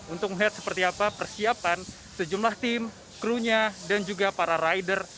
untuk melihat seperti apa persiapan sejumlah tim krunya dan juga para rider